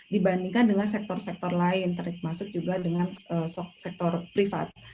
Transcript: dibandingkan dengan sektor sektor lain termasuk juga dengan sektor privat